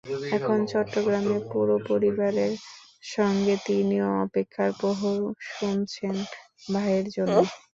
এখন চট্টগ্রামে পুরো পরিবারের সঙ্গে তিনিও অপেক্ষার প্রহর গুনছেন ভাইয়ের জন্য।